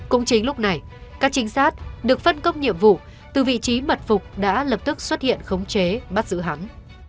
cũng chính lúc này các trinh sát được phân công nhiệm vụ từ vị trí mật phục đã lập tức xuất hiện khống chế bắt giữ hắn